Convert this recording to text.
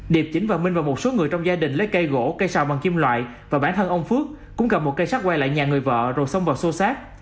điệp chính và minh và một số người trong gia đình lấy cây gỗ cây xào bằng kim loại và bản thân ông phước cũng cầm một cây xác quay lại nhà người vợ rồi xông vào xô xác